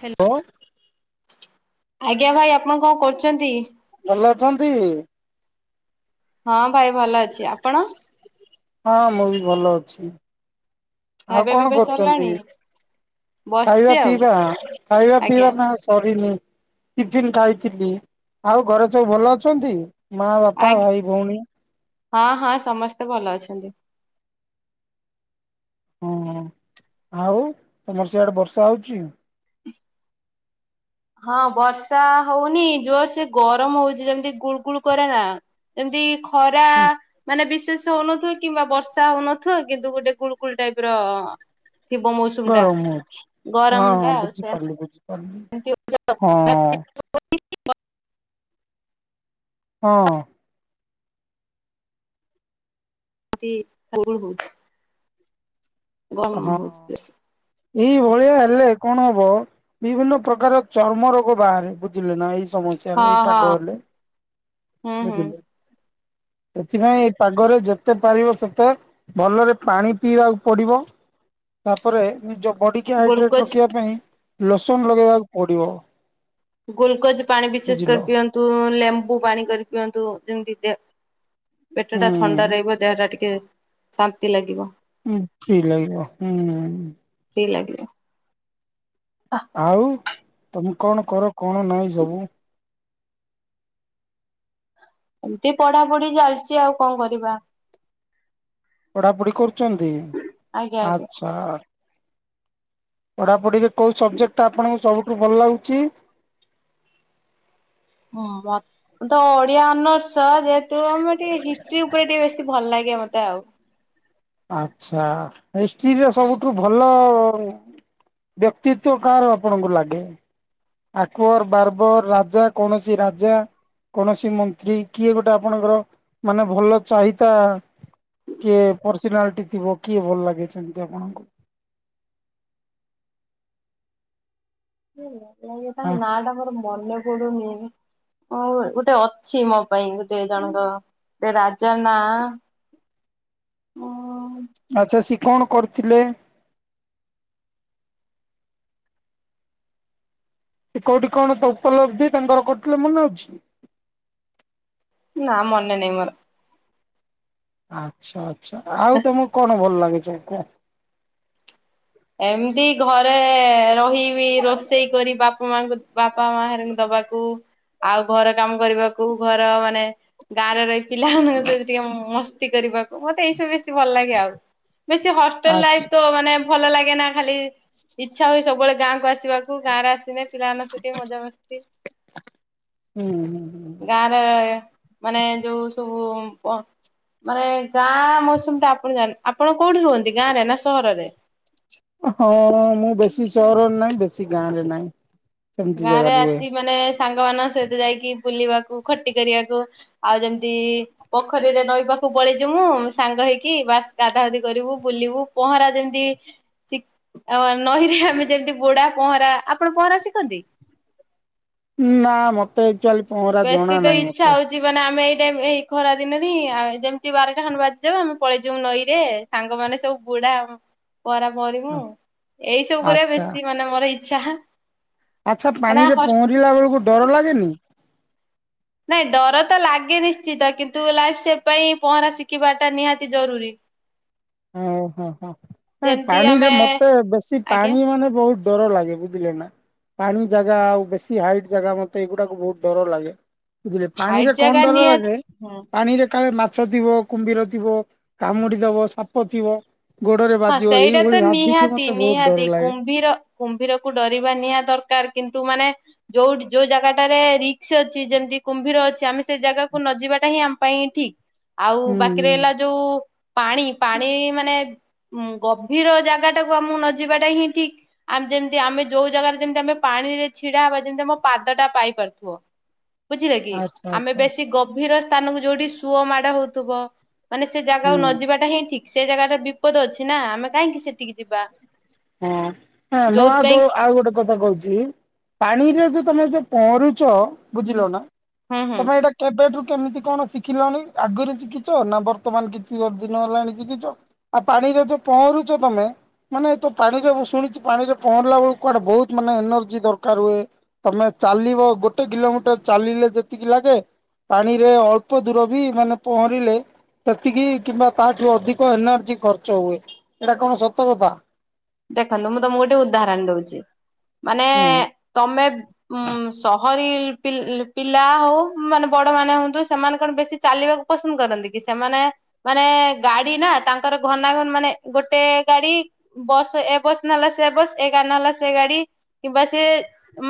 Hello ହଁ ଆଜ୍ଞା ଭାଇ ଆପଣ କଣ କରୁଛନ୍ତି? ଭଲ ଅଛନ୍ତି? ହଁ ଭାଇ ଭଲ ଅଛି। ଆପଣ? ହଁ ମୁଁ ବି ଭଲ ଅଛି। ଆଉ ଖାଇବା କଣ ପିଇବା କରୁଛନ୍ତି? ସରିଲାଣି? ବସିଛି ଖାଇବା ଆଉ ପିଇବା ହଁ ଖାଇବା ପିଇବା ଆଜ୍ଞା ତମର ସରିନି ଟିଫିନ ଖାଇଥିଲି। ଆଉ ଘରେ ସବୁ ଭଲ ଅଛନ୍ତି? ମା ବାପା ଆ ଭାଇ ଭଉଣୀ। ହଁ ହଁ ସମସ୍ତେ ଭଲ ଅଛନ୍ତି। ହୁଁ ଆଉ ତମର ସେଆଡେ ବର୍ଷା ହୋଉଛି? ହ ହଁ ବର୍ଷା ହଉନି ଜୋର ସେ ଗରମ ହୋଉଛି। ଯେମିତି ଗୁଳଗୁଳ କରେ ନା। ଏମତି ଖରା ମାନେ ବିଶେଷ ର୍ଷା ହଉନଥିବ କିମ୍ବା ବର୍ଷା ହଉନଥିବ କିନ୍ତୁ ଗୋଟେ ଗୁଳଗୁଳ ଟାଇପର ଥିବ ମୌସମ ଗରମ ହୋଉଛି। ହଁ ହଁ ବୁଝିପାରିଲି ବୁଝିପାରିଲି। ଏମିତି ହୋଉଛି ଆଉ। ହଁ। ହଁ। ଏମିତି ଗୁଳ ହୋଉଛି ହଁ। ଗରମ ହୋଉଛି ବେଶୀ। ଏଇ ଭଳିଆ ହେଲେ କଣ ହବ ବିଭିନ୍ନ ପ୍ରକାର ଚର୍ମ ରୋଗ ବାହାରେ ବୁଝିଲେ ନା ଏଇ ସମସ୍ୟାରେ ଏଇ ପାଗ ହେଲେ ହଁ ହୁଁ ହୁଁ ବୁଝିଲେ? ସେଥିପାଇଁ ଏଇ ପାଗରେ ଯେତେ ପାରିବ ସେତେ ଭଲରେ ପାଣି ପିଇବାକୁ ପଡିବ। ତାପରେ ନିଜ ବଡ଼ିିକି ହାଇଡ୍ରେଟ୍ ଗ୍ଲୁକୋଜ ରଖିବା ପାଇଁ ଲୋସନ ଲଗେଇବାକୁ ପଡ଼ିବ। ଗୁଲକୋଜ୍ ପାଣି ବିଶେଷ କରି ପିଅ ନ୍ତୁ ଲେମ୍ବୁ ପାଣି କରି ପିଅନ୍ତୁ ଯେମିତି ଦେ ପେଟ ଟା ଥଣ୍ଡା ହୁଁ ରହିବ। ଦେହ ଟା ଟିକେ ଶାନ୍ତି ଲାଗିବ। ହଁ ଠିକ୍ ଲାଗିବ ହୁଁ। ଫ୍ରି ଲାଗିବ। ଆଉ ତମେ କଣ କର କଣ ନାଇଁ ସବୁ? ଏମତି ପଢାପଢି ଚାଲିଛି ଆଉ କଣ କରିବା। ପଢାପଢି କରୁଛନ୍ତି ଆଜ୍ଞା ଆଜ୍ଞା ଆଛ ପଢାପଢିରେ କୋଉ ସବଜେକ୍ଟ ଟା ଆପଣଙ୍କୁ ସବୁଠୁ ଭଲ ଲାଗୁଛି? ହୁଁ ବା ମୁଁ ତ ଓଡ଼ିଆ ଅନର୍ ସହଜେ ତୁ ଆମର ଟିକେ ହିଷ୍ଟ୍ରି ଉପରେ ଟିକେ ବେଶୀ ଭଲ ଲାଗେ ମତେ ଆଉ। ଆଚ୍ଛା ହିଷ୍ଟ୍ରୀରେ ସବୁଠୁ ଭଲ ବ୍ୟକ୍ତିତ୍ଵ କାହାର ଆପଣଙ୍କୁ ଲାଗେ? ଆକବର ବାର୍ବର ରାଜା କୌଣସି ରାଜା କୌଣସି ମନ୍ତ୍ରୀ କିଏ ଗୋଟେ ଆପଣଙ୍କର ମାନେ ଭଲ ଚାହିତା କିଏ ପର୍ସନାଲିଟି ଥିବ କିଏ ଭଲ ଲାଗିଛନ୍ତି ଆପଣଙ୍କୁ? ଭଲ ଲାଗେ ତାଙ୍କ ହଁ। ନାଁ ଟା ତାଙ୍କର ମନେ ପଡୁନି। ହ ଗୋଟେ ଅଛି ମୋ ପାଇଁ ଗୋଟେ ଜଣଙ୍କ ଗୋଟେ ରାଜା ନା ଉଁ ଆଚ୍ଛା ସିଏ କଣ କରିଥିଲେ? ସେ କୋଉଠି କଣ ତ ଉପଲବ୍ଧି ତାଙ୍କର କରିଥିଲେ ମନେ ଅଛି? ନା ମନେ ନାଇଁ ମୋର। ଆଚ୍ଛା ଆଚ୍ଛା ଆଉ ତମକୁ କଣ ଭଲ ଲାଗେ ସବୁ କୁହ। ଏମିତି ଘରେ ରହିବି ରୋଷେଇ କରି ବାପା ମାଙ୍କୁ ବାପା ମା ହେରିଙ୍କୁ ଦବାକୁ। ଆଉ ଘର କାମ କରିବାକୁ ଘର ମାନେ ଗାଁରେ ରହି ପିଲା ଟିକେ ମସ୍ତି କରିବାକୁ, ମତେ ଏଇ ସବୁ ଭଲ୍‌ ଲାଗେ ଆଉ, ବେଶି ହଷ୍ଟେଲ୍‌ ଆଚ୍ଛା। ଲାଇପ୍ ତ ମାନେ ଭଲ ଲାଗେ ନା, ଇଚ୍ଛା ହୁଏ ସବୁବଳେ ଗାଁ କୁ ଆସିବାକୁ। ଗାଁ ରେ ଆସି [inaudible] ହୁଁ ହୁଁ ଗାଁ ରେ ମାନେ ଯଉ ସବୁ ମାନେ ଗାଁ ମୌସୁମ୍ ଟା, ଆପଣ କଉଠି ରୁହନ୍ତି ଗାଁ ରେ ନା ସହରରେ? ମୁଁ ବେଶୀ ସ--ରରେ ନାଇଁ, ବେଶୀ ଗାଁ ରେ ନାଇଁ। ଗାଁ ରେ ଆସି, ମାନେ ସାଙ୍ଗମାନଙ୍କ ସ--ତ ଯାଇକି ବୁଲିବାକୁ ଖଟି କରିବାକୁ ଆଉ ଯେମ୍ତି ପୋଖରୀରେ ନଈ----କୁ ପଳେଇ, ସାଙ୍ଗ ହେଇକି ବାସ୍‌ ଗାଧା ଗାଧି କରିବୁ ବୁଲିବୁ। ପହଁରା ଯେମ୍ତି ନଈରେ ଆମେ ଯେ----------ପହଁରା, ଆପଣ ପହଁରା ଶିଖନ୍ତି। ନା ମତେ ଏକ୍ଚୁଆଲି ପହଁରା ବେଶୀ ଜଣା ତ ନାହିଁ ଏତେ। [inaudible] ସାଙ୍ଗମାନେ ସବୁ ବୁ ଏଇ ସବୁ କରିବା, ଆଚ୍ଛା। ବେଶୀ ମାନେ ମର ଇଛା। ଆଚ୍ଛା, ପାଣିରେ ପହଁରିଲା ଳକୁ ଡ଼ର ଲାଗେନି? ଡ଼ର ତ ଲାଗେ ନିଶ୍ଚିତ, କିନ୍ତୁ ଲାଇପ୍ ସେପ୍ ପାଇଁ ପହଁରା ଶିଖିବା ଟା ନିହାତି ଜରୁରୀ। ଯେମିତି ପାଣିରେ ଆମେ ମତେ, ବେଶୀ ଆଜ୍ଞା ପାଣି ମାନେ ବହୁ ଡ଼ର ଲାଗେ ବୁଝିଲେ ନା। ପାଣି ଜାଗା ଆଉ ବେଶୀ ହାଇଟ୍ ଜାଗା, ମତେ ଏଗୁଡ଼ାକୁ ବହୁତ୍ ଡ଼ର ଲାଗେ। ବୁଝିଲେ, ପାଣିରେ ହାଇଟ୍ ଜାଗା ଡ଼ର ନିହାତି ଲାଗେ, ହୁଁ। ପାଣିରେ କାଳେ ମାଛ ଥିବ। କୁ--ର ଥିବ, କାମୁଡ଼ି ଦବ ସାପ ଥିବ। ଗୋଡ଼ରେ ହଁ ବାଜିବ, ସେଇଟା ତ ଏଇଭଳି ଭାବିକି ନିହାତି ମତେ ହୁତ୍ ନିହାତି ଡ଼ର ଲାଗେ। କୁମ୍ଭୀର କୁ ଡ଼ରିବା ନିହା ଦରକାର୍। କିନ୍ତୁ ମାନେ ଯଉ ଯଉ ଜାଗାଟା ରେ ରିକ୍ସ୍ ଅଛି, ଯେମ୍ତି କୁମ୍ଭୀର ଅଛି। ଆମେ ସେ ଜାଗାକୁ ନ ଯିବାଟା ହିଁ ପାଇଁ ଠିକ୍, ଆଉ ହୁଁ ବାକି ହୁଁ ରହିଲା ଯଉ ପାଣି। ପାଣି ମାନେ ଗଭୀର ଜାଗାଟା କୁ ଆ--କୁ ନ ଯିବାଟା ହିଁ ଠିକ୍। ଆମେ ଯଉ ଜାଗାରେ ଯେମ୍ତି ଆମେ ପାଣିରେ ଛିଡ଼ା ବା, ଯେମ୍ତି ଆମ ପାଦଟା ପାଇ ପାରୁ---ବ। ବୁଝିଲେ କି, ଆଚ୍ଛା ଆମେ ଆଚ୍ଛା। ବେଶୀ ଗଭୀର ସ୍ଥାନକୁ ଯଉଠି ସୁଅ ମାଡ଼ ହଉ--ବ। ମାନେ ସେ ହୁଁ ଜାଗାକୁ ନ ଯିବାଟା ହିଁ ଠିକ୍, ସେ ଜାଗା ଟା ବିପଦ ଅଛି ନା ଆମେ କାହିଁକି ସେ--କି ଯିବା। ଆଉ ଯୋଉଥିପାଇଁ ଗୋଟେ କଥା କହୁଚି। ପାଣିରେ ଯଉ ତମେ ପ--ରୁଚ, ବୁଝିଲ ନା ହୁଁ ହୁଁ ତମେ ଏଇଟା କେବେଠୁ କେମିତି କ'ଣ ଶିଖିଲଣି? ଆଗୁରୁ ଶିଖିଚ ନା ବର୍ତ୍ତମାନ କିଛି ଦିନ ହେଲାଣି ଶିଖିଚ? ଆଉ ପାଣିରେ ପହଁରୁଚ ତମେ, ମାନେ ପାଣିରେ ମୁଁ ଶୁଣିଚି, ପାଣିରେ ପହଁରିଲା କୁଆଡ଼େ ବହୁତ୍ ମାନେ ଏନର୍ଜି ଦରକାର୍ ହୁଏ। ତମେ ଚାଲିବ, ଗୋଟେ କିଲୋମିଟର୍ ଚାଲିଲେ ଯେତିକି ଲାଗେ। ପାଣିରେ, ଅଳ୍ପ ଦୂର ବି ମାନେ ପହଁରିଲେ ସେତିକି କିମ୍ବା ତା ଠୁ ଅଧିକ ଏନର୍ଜି ଖର୍ଚ୍ଚ ହୁଏ, ଏଟା କଣ ସତ କଥା? ଦେଖନ୍ତୁ, ମୁଁ ତମକୁ ଗୋଟେ ଉଦାହର ଦଉଚି। ମାନେ [inaudible] [inaudible] ସହରୀ ପିଲା ହଉ, ମାନେ ବଡ଼ ମାନେ ହୁଅନ୍ତୁ ସେମାନେ କ'ଣ ବେଶୀ ଚାଲିବାକୁ [inaudible] ମାନେ ଗାଡ଼ି ନା, ତାଙ୍କର ଘନା ମାନେ ଗୋଟେ ଗାଡ଼ି ବସ୍ ଏ ବସ୍‌----ସେ ବସ୍‌ ଏ ଗାଡ଼ି ନ----ଲା ସେ ଗାଡ଼ି, କି ସିଏ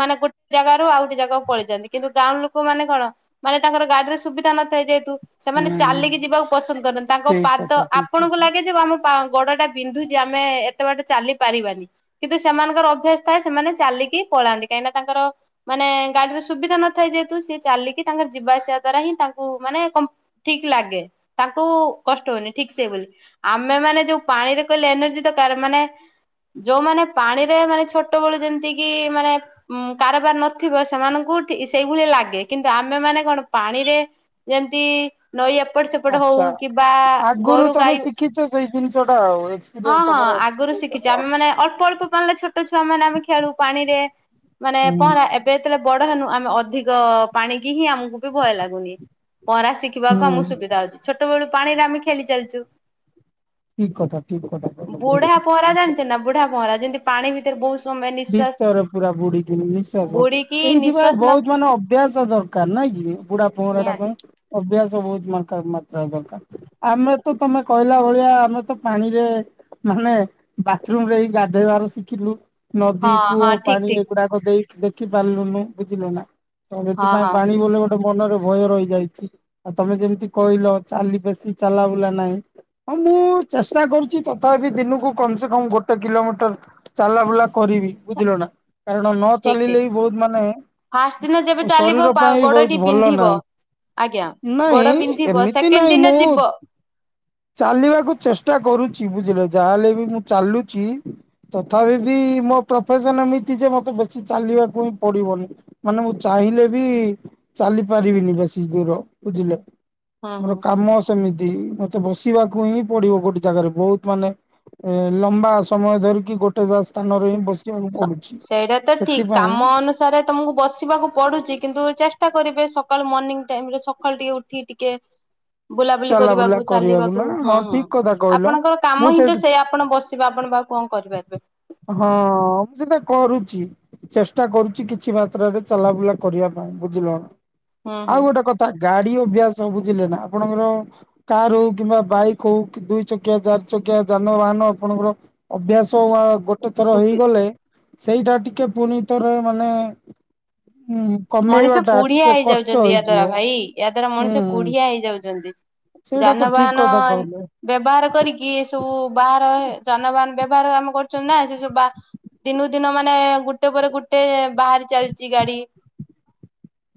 ମାନେ ଜାଗାରୁ ଆଉ ଗୁଟେ ଜାଗାକୁ ପଳେଇ ଯାନ୍ତି। କିନ୍ତୁ ଗାଁ ଲୁକ ମାନେ କ ମାନେ ତାଙ୍କର ଗାଡ଼ି ରେ ସୁବିଧା ନଥାଏ ଯେହେତୁ ସେମାନେ ହୁଁ ଚାଲିକି ଯିବାକୁ ପସ କରନ୍ତି, ତାଙ୍କ ଠିକ ପାଦ କଥା ଠିକ ଆପଣଙ୍କୁ କଥା। ଲାଗେ ଯେ ଟା ବିନ୍ଧୁଚି ଆମେ ଏତେ ବା ଚାଲି ପାରିବାନି। କିନ୍ତୁ ସେମାନଙ୍କର ଅଭ୍ୟାସ ଥାଏ ସେମାନେ ଚାଲିକି ପଳାନ୍ତି କାହିଁକିନା ତାଙ୍କର ମାନେ ଗାଡିର ସୁବିଧା ନଥାଏ ଯେହେତୁ ସିଏ ଚାଲିକି ତାଙ୍କର ଯିବା ଆସିବା ଦ୍ଵାରା ହିଁ ତାଙ୍କୁ ମାନେ ଠିକ ଲାଗେ ତାଙ୍କୁ କଷ୍ଟ ହୁଏନି ଠିକ୍ ସେ ବୋଲି ଆମେ ମାନେ ଯୋଉ ପାଣିରେ କହିଲେ ଏନର୍ଜି ଦରକାର ମାନେ ଯୋଉମାନେ ପାଣିରେ ମାନେ ଛୋଟବେଳୁ ଯେମିତି କିି ମାନେ- ଉଁ କାରବାର ନଥିବ ସେମାନଙ୍କୁ ସେଇଭଳିଆ ଲାଗେ କିନ୍ତୁ ଆମେମାନେ କଣ ପାଣିରେ ଯେମିତି ନଈ ଏପଟ ସେପଟ ହଉ ଆଚ୍ଛା କିମ୍ବା ଆଗରୁ ଗୋରୁ ତମେ ଗାଈ ଶିଖିଛ ସେଇ ଜିନିଷ ଟା ଆଉ ହଁ ଏକ୍ସପିରିଏନ୍ସ ହଁ ତମର ଅଛି ଆଗରୁ ସି କିଛି ସେଇଟା ଆଉ। ଆମେ ମାନେ ଅଳ୍ପ ଅଳ୍ପ ପାଣିରେ ଛୋଟ ଛୁଆ ମାନେ ଆମେ ଖେଳୁ ପାଣି ରେ ମାନେ ହୁଁ ପହଁରା ଏବେ ଯେତେବେଳେ ବଡ ହେନୁ ଆମେ ଅଧିକ ପାଣିକି ହିଁ ଆମକୁ ବି ଭୟ ଲାଗୁନି ପରାଶ ଦେଖିବାକୁ ହୁଁ ଆମକୁ ସୁବିଧା ହଉଛି ଛୋଟ ବେଳୁ ପାଣିରେ ଆମେ ଖେଳି ଚାଲିଛୁ। ଠିକ କଥା ଠିକ କଥା ବୁଢା ପହଁରା କଥା। ଜାଣିଛ ନା ବୁଢା ପହଁରା ଯେମିତି ପାଣି ଭିତରେ ବହୁତ ସମୟ ନିଶ୍ଵାସ ଭିତରେ ପୁରା ବୁଡିିକିନି ବୁଡିକି ନିଶ୍ୱାସ ଏଇଥିପାଇ ନିଶ୍ଵାସ ନ ବହୁତ ମାନେ ଅଭ୍ୟାସ ଦରକାର ନାଇଁ କି ବୁଢା ପହଁରା ଟା ନିହାତି ପାଇଁ। ଅଭ୍ୟାସ ବହୁତ ମା ମାତ୍ରାରେ ଦରକାର। ଆମେ ତ ତମେ କହିଲା ଭଳିଆ ଆମେ ତ ପାଣିରେ ମାନେ ବାଥରୁମ ରେ ହି ଗାଧେଇବାର ଶିଖିଲୁ। ନଦୀ ହଁ କୂଅ ହଁ ଠିକ ପାଣି ଠିକ ଏଗୁଡାକ ଦେଇ ଦେଖି ପାରିଲୁନୁ ବୁଝିଲ ନା। ହଁ ସେଥିପାଇଁ ହଁ ପାଣି ବୋଲେ ଗୋଟେ ଗୋଟେ ମନରେ ଭୟ ରହିଯାଇଛି ଆଉ ତମେ ଯେମିତି କହିଲ ଚାଲି ବେଶି ଚାଲା ବୁଲା ନାହିଁ। ହଁ ମୁଁ ଚେଷ୍ଟା କରୁଛି ତଥାପି ଦିନକୁ କମ ସେ କମ ଗୋଟେ କିଲୋମିଟର ଚାଲା ବୁଲା କରିବି ବୁଝିଲ ନା। କାରଣ ନ ଠିକ ଚାଲିଲେ ଠିକ। ବି ବହୁତ ଫାଷ୍ଟ ଦିନ ଯେବେ ମାନେ ଚାଲିବ ଶରୀର ପାଇଁ ବି ଗୋଡଟି ବହୁତ ଭଲ ବିନ୍ଧିବ ନାହିଁ। ଆଜ୍ଞା। ଗୋଡ ନାଇଁ ବିନ୍ଧିବ ଏମିତି ସେକେଣ୍ଡ ନାହିଁ ଦିନ ମୁଁ ଯିବ ଚାଲିବାକୁ ଚେଷ୍ଟା କରୁଛି ବୁଝିଲ ଯାହାହେଲେ ବି ମୁଁ ଚାଲୁଛି। ତଥାପି ବି ମୋ ପ୍ରଫେସନ ଏମିତି ଯେ ମତେ ବେଶୀ ଚାଲିବାକୁ ହିଁ ପଡିବନି ମାନେ ମୁଁ ଚାହିଁଲେ ବି ଚାଲି ପାରିବିନି ବେଶୀ ଦୂର ବୁଝିଲେ ହଁ ମୋର ହଁ। କାମ ସେମିତି ମତେ ବସିବାକୁ ହିଁ ପଡିବ ଗୋଟେ ଜାଗାରେ ବହୁତ ମାନେ ଏ ଲମ୍ବା ସମୟ ଧରିକି ଗୋଟେ ଦସ୍ ଟା ନରୁ ହିଁ ବସିବାକୁ ପଡୁଛି ସେଥିପାଇଁ ଛାଡ଼ ତମକୁ ବସିବାକୁ ପଡୁଛି କିନ୍ତୁ ଚେଷ୍ଟା କରିବେ ସକାଳୁ ମର୍ଣ୍ଣିିଂ ଟାଇମ ରେ ସକାଳୁ ଟିକେ ଉଠି ଟିକେ [inaudible] ବୁଲାବୁଲି ଚାଲାବୁଲା କରିବାକୁ ନା ଚାଲିବାକୁ ହଁ ହଁ। ଠିକ କଥା କହିଲ। ଆପଣଙ୍କର ମୁଁ କାମ ହିଁ ତ ସେଇଠି ସେଇୟା ଆପଣ ବସିବେ ଆପଣ ବା ଆଉ କଣ କରିପାରିବେ। ହଁ ମୁଁ ସେଟା କରୁଛି। ଚେଷ୍ଟା କରୁଛି କିଛି ମାତ୍ରରେ ଚଲାବୁଲା କରିବା ପାଇଁ ବୁଝିଲ। ହୁଁ ଆଉ ହୁଁ ଗୋଟେ କଥା ଗାଡି ଅଭ୍ୟାସ ବୁଝିଲେ ନା ଆପଣଙ୍କର କାର ହଉ କିମ୍ବା ବାଇକ୍ ହଉ କି ଦୁଇ ଚକିଆ ଚାରି ଚକିଆ ଯାନବାହାନ ଆପଣଙ୍କର ଅଭ୍ୟାସ ଆ ଗୋ ଗୋଟେଥର ସୁପି ହେଇଗଲେ ସେଇଟା ଟିକେ ପୁଣିଥରେ ମାନେ ଉଁ। କମେଇବା ମଣିଷ ଟା କୁଢିଆ ଟିକେ କଷ୍ଟ ହେଇଯାଉଛନ୍ତି ୟା ହେଇଯିବ। ଦ୍ଵାରା ଭାଇ ୟା ଦ୍ଵାରା ହୁଁ ମଣିଷ କୁଡିିଆ ହେଇଯାଉଛନ୍ତି। ସେଇଟା ତ ଠିକ ଯାନବାହାନ। କଥା କହିଲେ। ବ୍ୟବହାର କରିକି ଏ ସବୁ ବାହାର ଯାନବାହାନ ବ୍ୟବହାର ଆମେ କରୁଛନ୍ତି ନା ସେ ସବୁ ବା ଦିନକୁ ଦିନ ମାନେ ଗୋଟେ ପରେ ଗୋଟେ ବାହାରି ଚାଲିଛି ଗାଡି।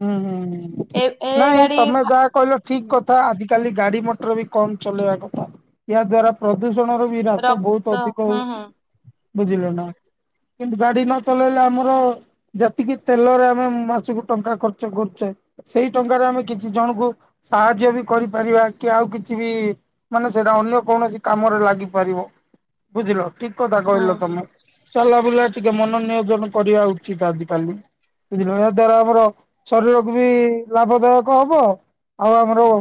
ହୁଁ ହୁଁ ହୁ ଏ ଏ ନାଇଁ ଗାଡି ତମେ ଯାହା କହିଲ ଠିକ ହୁଁ କଥା ଆ କାଲି ଗାଡି ମଟର ବି କମ ଚଲେଇବା କଥା ଏହା ଦ୍ଵାରା ପ୍ରଦୂଷଣର ରାସ ରକ୍ତ ବହୁତ ଅଧିକ ହୁଁ ହୁଁ ହଉଛି ବୁଝିଲ ନା। କିନ୍ତୁ ଗାଡି ନ ଚଲେଇଲେ ଆମର ଜାତିକି ତେଲରେ ଆମେ ମାସକୁ ଟଙ୍କା ଖର୍ଚ୍ଚ କରୁଛେ ସେଇ ଟଙ୍କାରେ ଆମେ କିଛି ଜଣଙ୍କୁ ସାହାଯ୍ୟ ବି କରିପାରିବା। କି ଆଉ କିଛି ବି-ଇ-ଇ ମାନେ ସେଇଟା ଅନ୍ୟ କୌଣସି କାମରେ ଲାଗିପାରିବ। ବୁଝିଲ ଠିକ କଥା ହୁଁ କହିଲ ହୁଁ ତମେ। ଚଲା ବୁଲା ଟିକେ ମନୋନିୟୋଜନ କରିବା ଉଚିତ ଆଜି କାଲି। ବୁଝିଲ ଏହା ଦ୍ଵାରା ଆମର ଶରୀରକୁ ବି ଲାଭଦାୟକ ହବ ଆଉ ଆମର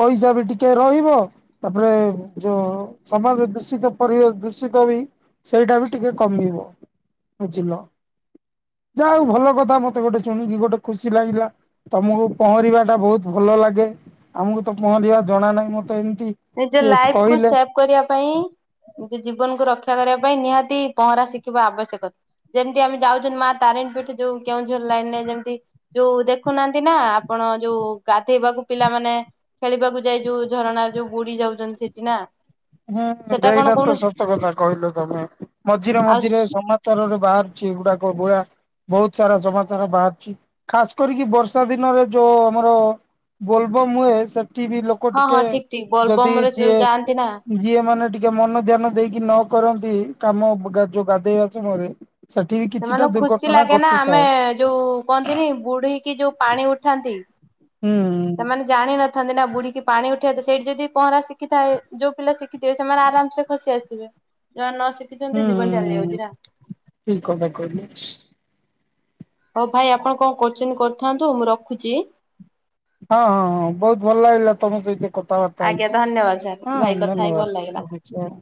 ପଇସା ବି ଟିକେ ରହିବ। ତାପରେ ଯୋଉ ସମାଜ ଦୂଷିତ ପରିବେଶ ଦୂଷିତ ବି ସେଇଟା ବି ଟିକେ କମିବ ବୁଝିଲ। ଯା ହଉ ଭଲ କଥା ମତେ ଗୋଟେ ଶୁଣିକି ଗୋଟେ ଖୁସି ଲାଗିଲା ତମକୁ ପହଁରିବା ଟା ବହୁତ ଭଲ ଲାଗେ। ଆମକୁ ତ ପହଁରିବା ଜଣା ନାହିଁ ମତେ ଏମିତି ନିଜ କିଏ ଲାଇଫ କୁ କହିଲେ। ସେଭ କରିବା ପାଇଁ ନିଜ ଜୀବନକୁ ରକ୍ଷା କରିବା ପାଇଁ ନିହାତି ପହଁରା ଶିଖିବା ଆବଶ୍ୟକ। ଯେମିତି ଆମେ ଯାଉଛନ୍ତି ମା ତାରିଣୀ ପୀଠ ଯୋଉ କେଉଁଝର ଲାଇନରେ ଯେମିତି ଯୋଉ ଦେଖୁନାହାନ୍ତି ନା ଆପଣ ଯୋଉ ଗାଧେଇବାକୁ ପିଲାମାନେ ଖେଳିବାକୁ ଯାଇ ଯୋଉ ଝରଣାରେ ଯୋଉ ବୁଡି ଯାଉଛନ୍ତି ସେଠି ନା। ହୁଁ ସେଟା କଣ ଏଇଟା ତ କହୁନୁ ସତ କଥା କହିଲ ତମେ ମଝିରେ ଆଉ ମଝିରେ ସମାନ ସ୍ତରରେ ବାହାରୁଛି ଏଗୁଡାକ ବୁରା ବହୁତ ସାରା ସମମାଚାର ବାହାରୁଛି। ଖାସ କରିକି ବର୍ଷା ଦିନରେ ଯୋ ଆମର ବୋଲବୋମ୍ ହୁଏ ସେଠି ବି ଲୋକ ହଁ ଟିକେ ହଁ ଠିକ ଠିକ ଯଦି ବୋଲବମ ରେ ଯୋଉ ଚିଏ ଯାଆନ୍ତି ନା ଯିଏ ମାନେ ଟିକେ ମନ ଧ୍ୟାନ ଦେଇକି ନ କରନ୍ତି କାମ ବ ଯୋ ଗାଧେଇବା ସମୟରେ ସେଠି ବି କିଛିଟା ସେମାନଙ୍କୁ ଖୁସି ଦୁର୍ଘଟଣା ଲାଗେ ନା ଆମେ ଘଟିଥାଏ ଯୋଉ କହନ୍ତିନି ବୁଢ଼ିକି ଯୋଉ ପାଣି ଉଠାନ୍ତି। ହୁଁ। ସେମାନେ ଜାଣିନଥାନ୍ତି ନା ବୁଢୀକି ପାଣି ଉଠେଇଥାଏ ସେଇଠି ଯଦି ପହଁରା ଶିଖିଥାଏ ଯୋଉ ପିଲା ଶିଖିଥିବେ ସେମାନେ ଆରାମ ସେ ଖସି ଆସିବେ ଯଉମାନେ ନ ହୁଁ ଶିଖିଛନ୍ତି ଜୀବନ ଚାଲି ହୁଁ ଯାଉଛି ନା। ଠିକ କଥା କହିଲେ। ହଉ ଭାଇ ଆପଣ କଣ କରୁଛନ୍ତି କରିଥାନ୍ତୁ। ମୁଁ ରଖୁଛି। ହଁ ହଁ ହଁ ବହୁତ ଭଲ ଲାଗିଲା ତମ ସହିତ କଥା ବାର୍ତ୍ତା ଆଜ୍ଞା ହେଇକି। ଧନ୍ୟବାଦ ସାର୍ ହଁ, ଭାଇ କଥା ହେଇକି ଭଲ ଧନ୍ୟବାଦ ଲାଗିଲା। ରଖୁଛି ହଉ।